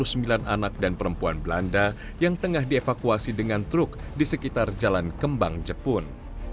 dan seluruhnya tiga puluh sembilan anak dan perempuan belanda yang tengah dievakuasi dengan truk di sekitar jalan kembang jepun